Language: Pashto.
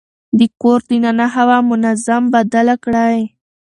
د کور دننه هوا منظم بدله کړئ.